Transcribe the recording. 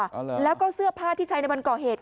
เอาเหรอแล้วก็เสื้อผ้าที่ใช้ในวันก่อเหตุ